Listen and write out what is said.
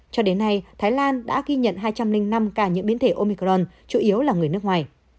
cho đến nay thái lan đã ghi nhận hai trăm linh năm ca nhiễm biến thể omicron chủ yếu là người nước ngoài